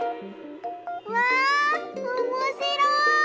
わおもしろい！